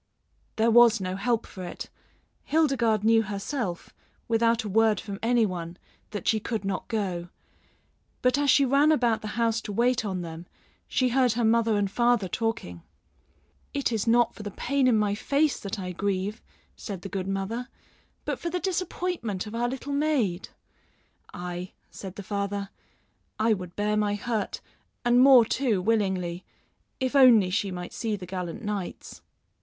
There was no help for it. Hildegarde knew herself, without a word from any one, that she could not go; but as she ran about the house to wait on them, she heard her mother and father talking. "It is not for the pain in my face that I grieve," said the good mother; "but for the disappointment of our little maid." "Aye," said the father, "I would bear my hurt, and more too, willingly, if only she might see the gallant knights."